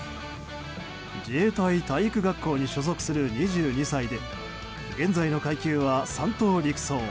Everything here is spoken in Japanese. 自衛隊体育学校に所属する２２歳で現在の階級は３等陸曹。